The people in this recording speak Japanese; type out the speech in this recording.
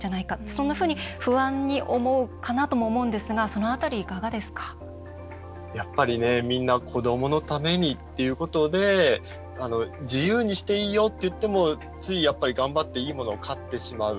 そんなふうに不安になるかと思うんですがやっぱり、みんな子どものためにっていうことで自由にしていいよって言ってもつい頑張っていいものを買ってしまう。